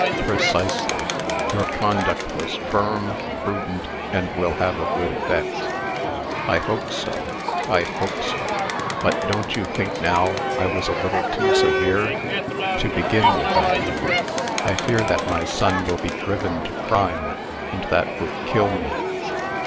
"Precisely. Your conduct was firm, prudent, and will have a good effect." "I hope so I hope so. But don't you think, now, I was a little too severe to begin with, I mean? I fear that my son will be driven to crime; and that would kill me."